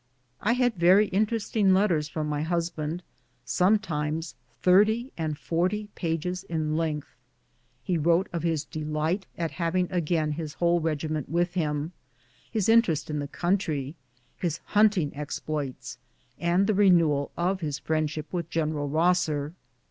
I had very interesting letters from my husband, sometimes thirty and forty pages in length. He wrote of his delight at having again his whole regiment with him, his interest in the country, his hunting exploits, and the renewal of his friendship with General Rosser.